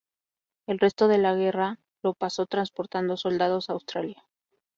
El resto de la guerra lo pasó transportando soldados a Australia.